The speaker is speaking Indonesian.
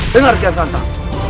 dengar kian santang